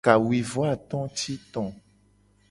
Kawuivoato ti to.